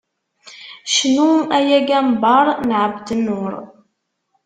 Cnu ay agambar n Ԑebdennur!